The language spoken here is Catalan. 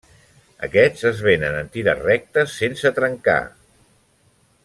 Aquests es venen en tires rectes sense trencar.